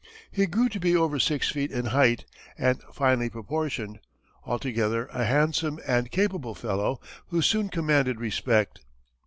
He grew to be over six feet in height and finely proportioned altogether a handsome and capable fellow, who soon commanded respect.